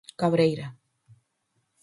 Cabreira.